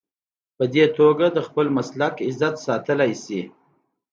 په دې توګه د خپل مسلک عزت ساتلی شي.